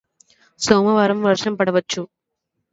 సోమవారం వర్షం పడవచ్చు